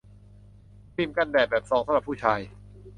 ครีมกันแดดแบบซองสำหรับผู้ชาย